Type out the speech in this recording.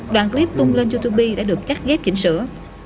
đoạn clip tung lên youtube đã được cắt ghép chỉnh sửa